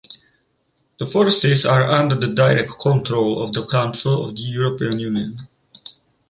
The forces are under the direct control of the Council of the European Union.